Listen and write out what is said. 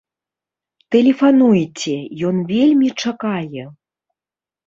Тэлефануйце, ён вельмі чакае!